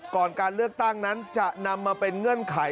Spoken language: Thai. การเลือกตั้งนั้นจะนำมาเป็นเงื่อนไข